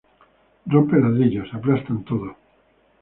Rompen ladrillos, aplastan todo.